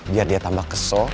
biar dia tambah kesel